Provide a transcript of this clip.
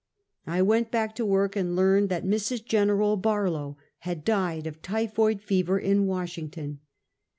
I went back to work, and learned that Mrs. Gen. Barlow had died of typhoid, fever, in Washington.